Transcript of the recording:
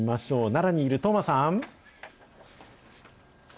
奈良にいる當麻さん。